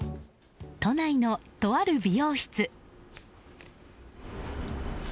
都内のとある美容室。